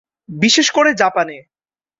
বিশেষ করে জাপানে।